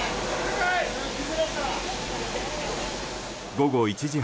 午後１時半